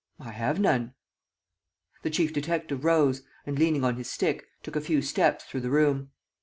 "I have none." The chief detective rose and, leaning on his stick, took a few steps through the room.